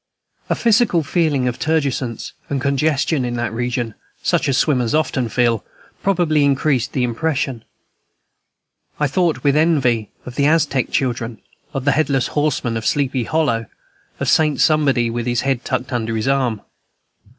A physical feeling of turgescence and congestion in that region, such as swimmers often feel, probably increased the impression. I thought with envy of the Aztec children, of the headless horseman of Sleepy Hollow, of Saint Somebody with his head tucked under his arm.